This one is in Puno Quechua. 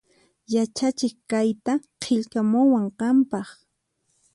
Yachachiq kayta qillqamuwan qanpaq